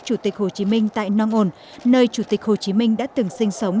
chủ tịch hồ chí minh tại nong on nơi chủ tịch hồ chí minh đã từng sinh sống